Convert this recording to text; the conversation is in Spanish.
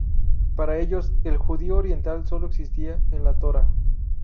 Para ellos, el judío oriental sólo existía en la Torá.